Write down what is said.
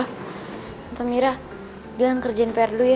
tante mira bilang kerjain pr dulu ya